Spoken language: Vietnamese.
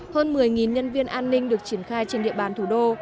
hơn một mươi nhân viên an ninh được triển khai trên địa bàn thủ đô